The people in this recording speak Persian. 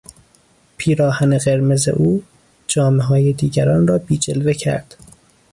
پیراهن قرمز او جامههای دیگران را بی جلوه کرد.